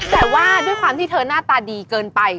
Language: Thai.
แต่ว่าด้วยความที่เธอหน้าตาดีเกินไป